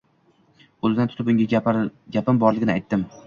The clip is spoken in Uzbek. Qo‘lidan tutib unga gapim borligini aytdim